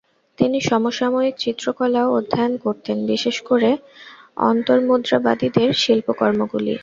তিনি সমসাময়িক শিল্পকলাও অধ্যয়ন করতেন, বিশেষ করে অন্তর্মুদ্রাবাদীদের শিল্পকর্মগুলি।